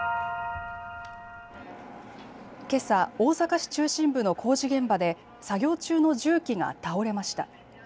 けさ、大阪市中心部の工事現場で作業中の重機が倒れました。